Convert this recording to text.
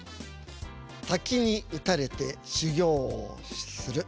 滝に打たれて修行をする。